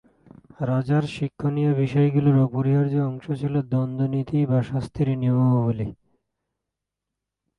রাজার শিক্ষণীয় বিষয়গুলোর অপরিহার্য অংশ ছিল দন্ডনীতি বা শাস্তির নিয়মাবলি।